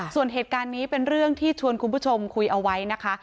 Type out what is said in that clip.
ส่วนเหตุการณ์นี้เป็นเรื่องที่ชวนคุณผู้ชมคุยเอาไว้นะคะ